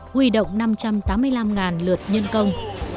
huy động năm trăm tám mươi năm lượt nhân công